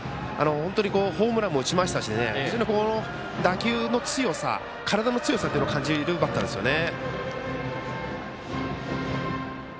本当にホームランも打ちましたし打球の強さ体の強さを感じるバッターですね。